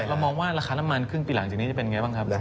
เรามองว่าราคาน้ำมันครึ่งปีหลังจากนี้จะเป็นไงบ้างครับ